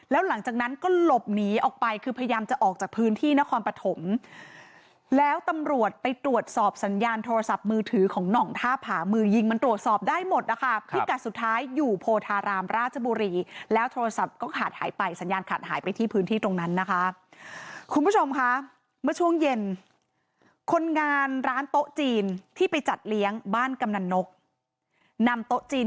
แล้วหลังจากนั้นก็หลบหนีออกไปคือพยายามจะออกจากพื้นที่นครปฐมแล้วตำรวจไปตรวจสอบสัญญาณโทรศัพท์มือถือของหน่องท่าผามือยิงมันตรวจสอบได้หมดนะคะพิกัดสุดท้ายอยู่โพธารามราชบุรีแล้วโทรศัพท์ก็ขาดหายไปสัญญาณขาดหายไปที่พื้นที่ตรงนั้นนะคะคุณผู้ชมค่ะเมื่อช่วงเย็นคนงานร้านโต๊ะจีนที่ไปจัดเลี้ยงบ้านกำนันนกนำโต๊ะจีน